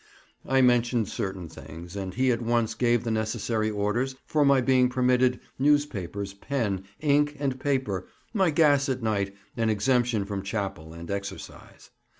I mentioned certain things, and he at once gave the necessary orders for my being permitted newspapers, pen, ink, and paper, my gas at night, and exemption from chapel and exercise.